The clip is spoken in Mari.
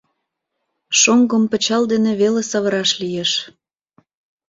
Шоҥгым пычал дене веле савыраш лиеш...